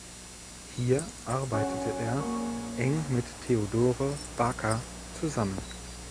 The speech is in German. Hier arbeitete er eng mit Theodore Baker zusammen.